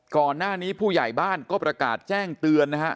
ก่อนหน้านี้ผู้ใหญ่บ้านก็ประกาศแจ้งเตือนนะฮะ